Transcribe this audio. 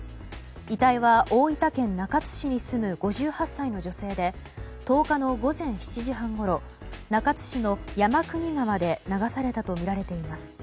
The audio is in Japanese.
遺体は大分県中津市に住む５８歳の女性で１０日の午前７時半ごろ中津市の山国川で流されたとみられています。